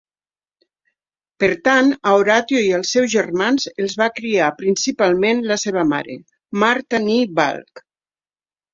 Per tant, a Horatio i als seus germans els va criar principalment la seva mare, Martha nee Balch.